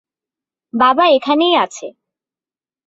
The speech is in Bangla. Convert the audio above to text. বাবা এখানেই আছে।